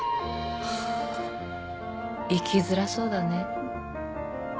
ハァ生きづらそうだね。